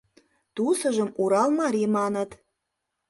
Тусыжым Урал марий маныт...